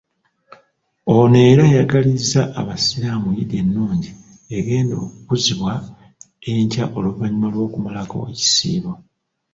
Ono era yayagalizza Abasiraamu Eid ennungi egenda okukuzibwa enkya oluvanyuma lw'okumalako ekisiibo.